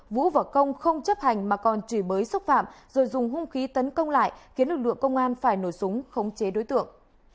vũ và công không chấp hành mà còn chửi bới xúc phạm rồi dùng hung khí tấn công lại khiến lực lượng công an phải nổ súng khống chế đối tượng